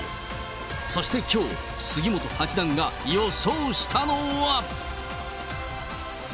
そしてきょう、杉本八段が予想したのは。